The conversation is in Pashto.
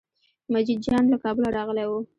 مجید جان له کابله راغلی و.